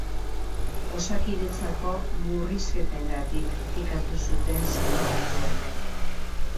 Osakidetzako murrizketengatik kritikatu zuten sindikatuek.